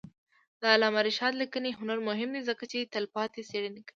د علامه رشاد لیکنی هنر مهم دی ځکه چې تلپاتې څېړنې کوي.